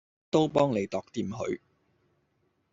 點都幫你度掂佢